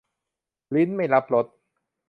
ลิ้นไม่รับรส